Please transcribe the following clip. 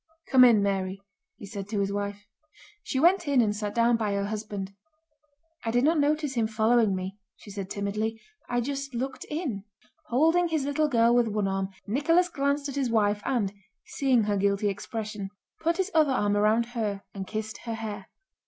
"Come in, Mary," he said to his wife. She went in and sat down by her husband. "I did not notice him following me," she said timidly. "I just looked in." Holding his little girl with one arm, Nicholas glanced at his wife and, seeing her guilty expression, put his other arm around her and kissed her hair.